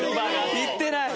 行ってない。